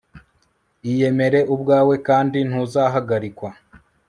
iyemere ubwawe kandi ntuzahagarikwa